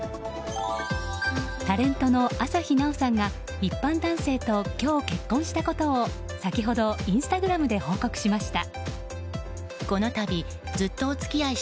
タレントの朝日奈央さんが一般男性と今日結婚したことを先ほどインスタグラムで報告しました。